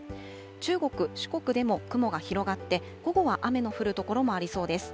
中国、四国でも雲が広がって、午後は雨の降る所もありそうです。